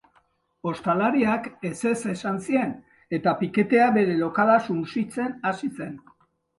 Ostalariak ezetz esan zien eta piketea bere lokala sutsitzen hasi zen.